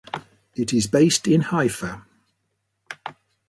It is based in Haifa.